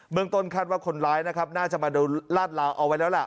เมืองต้นคาดว่าคนร้ายนะครับน่าจะมาลาดลาวเอาไว้แล้วล่ะ